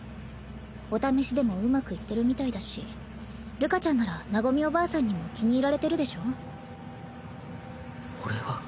お試しでもうまくいってるみたいだしるかちゃんなら和おばあさんにも気に入られてるでしょ？